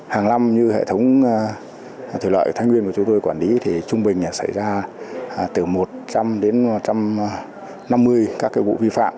hàng năm như hệ thống thủy lợi thái nguyên của chúng tôi quản lý thì trung bình xảy ra từ một trăm linh đến một trăm năm mươi các vụ vi phạm